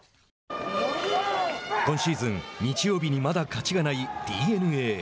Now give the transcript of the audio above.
今シーズン、日曜日にまだ勝ちがないＤｅＮＡ。